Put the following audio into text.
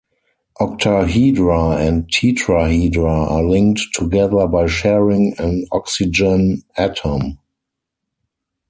Octahedra and tetrahedra are linked together by sharing an oxygen atom.